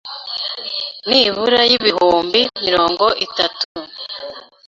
nibura y’ibihumbi mirongo itatu